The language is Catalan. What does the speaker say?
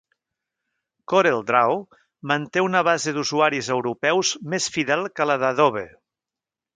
CorelDraw manté una base d'usuaris europeus més fidel que la d'Adobe.